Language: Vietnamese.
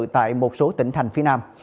tại một số tỉnh thành phía nam